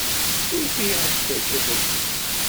Suref-iyi ɣef tkerkas-agi!